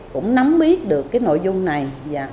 cũng nắm biết được cái nội dung này